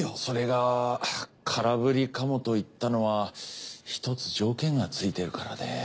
それが空振りかもと言ったのは一つ条件がついているからで。